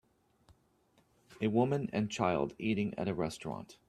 A woman and child eating at a restaurant.